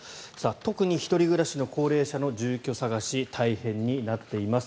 特に１人暮らしの高齢者の住居探し大変になっています。